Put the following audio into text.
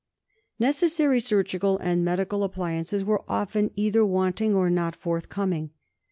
Necessary surgical and medical appliances were often either wanting or not forthcoming.